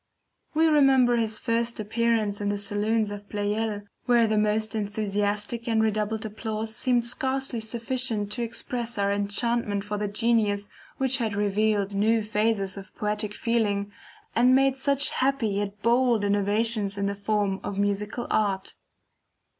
We remember his first appearance in the saloons of Pleyel, where the most enthusiastic and redoubled applause seemed scarcely sufficient to express our enchantment for the genius which had revealed new phases of poetic feeling, and made such happy yet bold innovations in the form of musical art.